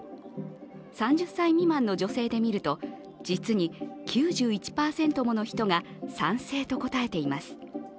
３０歳未満の女性で見ると実に９１％もの人が賛成と答えています。